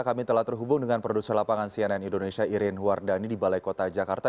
kami telah terhubung dengan produser lapangan cnn indonesia irin wardani di balai kota jakarta